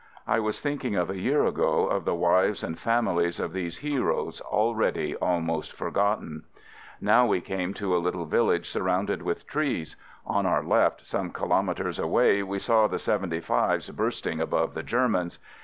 I was thinking of a year ago, of the wives and families of these heroes already almost forgotten. Now we came to a little village sur rounded with trees. On our left, some kilo metres away, we saw the " 75's " bursting above the Germans.